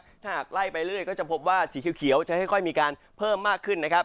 ถ้าหากไล่ไปเรื่อยก็จะพบว่าสีเขียวจะค่อยมีการเพิ่มมากขึ้นนะครับ